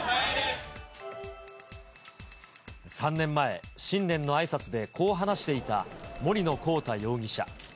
３年前、新年のあいさつでこう話していた、森野広太容疑者。